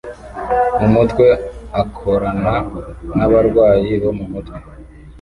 mumutwe akorana nabarwayi bomumutwe